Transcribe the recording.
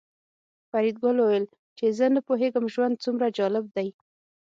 فریدګل وویل چې زه نه پوهېږم ژوند څومره جالب دی